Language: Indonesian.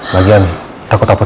lagian takut takutnya terserah